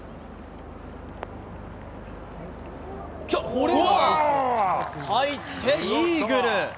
これが入ってイーグル。